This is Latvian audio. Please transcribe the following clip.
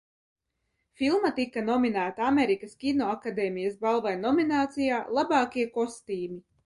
"Filma tika nominēta Amerikas Kinoakadēmijas balvai nominācijā "Labākie kostīmi"."